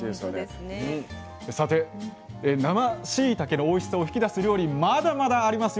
さて生しいたけのおいしさを引き出す料理まだまだありますよ。